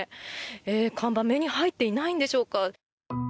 看板、目に入っていないんでしょうか。